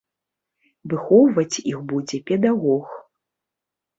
Выхоўваць іх будзе педагог.